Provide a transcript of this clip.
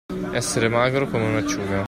Essere magro come un'acciuga.